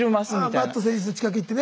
バット選手の近く行ってね。